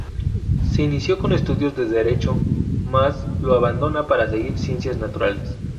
Se inició con estudios de derecho, mas lo abandona para seguir Ciencias naturales.